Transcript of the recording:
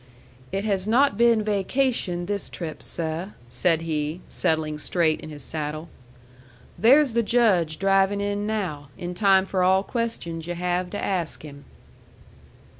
"It has not been vacation this trip, seh," said he, settling straight in his saddle. "There's the Judge driving in now, in time for all questions yu' have to ask him."